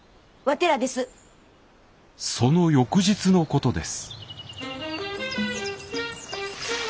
その翌日のことです。